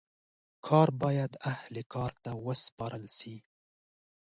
کار باید اهل کار ته وسپارل سي.